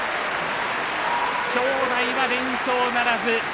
正代は連勝ならず。